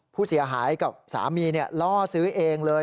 ผู้เสียหายกับสามีล่อซื้อเองเลย